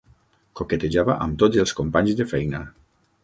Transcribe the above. Coquetejava amb tots els companys de feina.